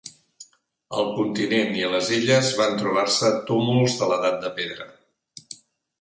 Al continent i a les illes van trobar-se túmuls de l'edat de pedra.